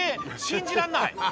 信じらんない‼」